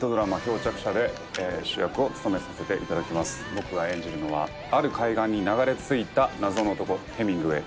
僕が演じるのはある海岸に流れ着いた謎の男ヘミングウェイ。